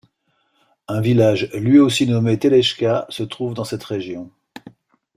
Un village lui aussi nommé Telečka, se trouve dans cette région.